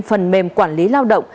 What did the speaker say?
phần mềm quản lý lao động